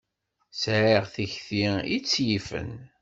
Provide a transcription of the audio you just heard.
Sɛiɣ tikti i tt-yifen.